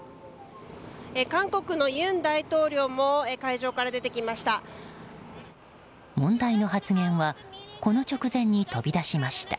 韓国の尹大統領も会場から出てきました。